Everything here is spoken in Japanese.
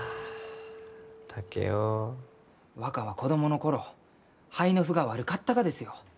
若は子どもの頃肺の腑が悪かったがですよ。